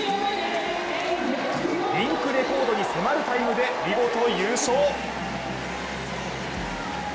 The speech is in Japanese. リンクレコードに迫るタイムで見事優勝。